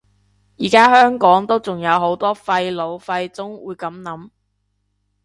而家香港都仲有好多廢老廢中會噉諗